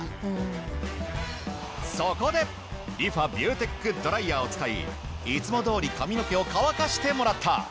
そこでリファビューテックドライヤーを使いいつもどおり髪の毛を乾かしてもらった。